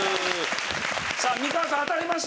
さあ美川さん当たりました。